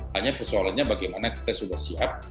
hanya persoalannya bagaimana kita sudah siap